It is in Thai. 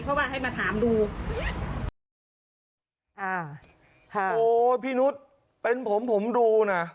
เพราะว่าให้มาถามดูอ่าค่ะโอ้พี่นุษย์เป็นผมผมดูน่ะ